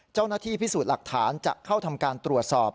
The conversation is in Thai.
เจ้าหน้าที่พิสูจน์หลักฐานจะเข้าทำการตรวจสอบ